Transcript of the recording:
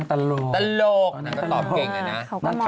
ตลกก็ตอบเก่งเลยนะ